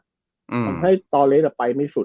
ทำให้ตอเลสไปไม่สุด